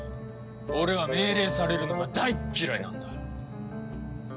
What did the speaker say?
俺は命令されるのが大っ嫌いなんだ！